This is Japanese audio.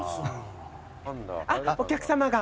あっお客さまが。